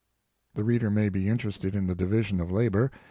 [The reader may be interested in the division of labor.